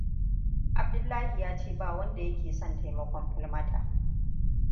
Abdullahi ya ce ba wanda yake son taimakon Falmata.